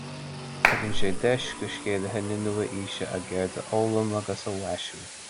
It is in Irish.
Tugann sé deis do scéalaithe na nua-fhíse a gcéird a fhoghlaim agus a mhaisiú